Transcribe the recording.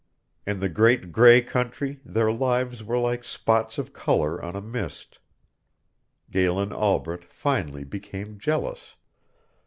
In the great gray country their lives were like spots of color on a mist. Galen Albret finally became jealous.